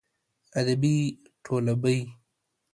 ابۍ ټوله بۍ.